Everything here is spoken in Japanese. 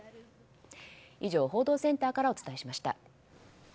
以上、報道センターからお伝えしました。